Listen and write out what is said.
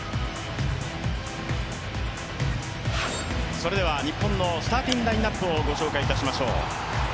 それでは日本のスターティングラインナップをご紹介いたしましょう。